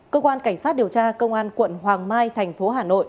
cơ quan cảnh sát điều tra công an quận hoàng mai tp hcm